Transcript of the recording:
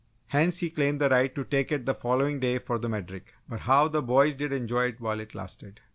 Hence, he claimed the right to take it the following day for the Medric. But how the boys did enjoy it while it lasted!